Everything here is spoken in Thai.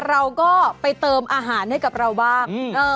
เราก็ไปเติมอาหารให้กับเราบ้าง